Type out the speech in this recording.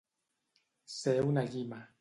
Ser una llima.